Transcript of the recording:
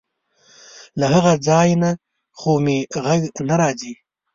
له هغه ځای نه خو مې غږ نه راځي.